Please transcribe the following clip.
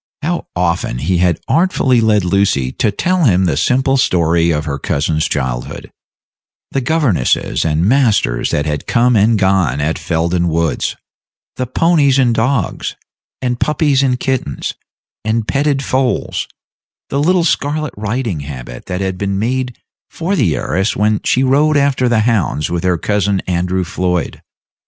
How often he had artfully led Lucy to tell him the simple story of her cousin's girlhood the governesses and masters that had come and gone at Felden Woods the ponies and dogs, and puppies and kittens, and petted foals; the little scarlet riding habit that had been made for the heiress when she rode after the hounds with her cousin Andrew Floyd.